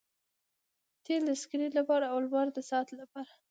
تیل د سکرین لپاره او لمر د ساعت لپاره